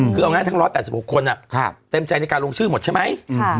คือเอาง่ายทั้ง๑๘๖คนเต็มใจในการลงชื่อหมดใช่ไหม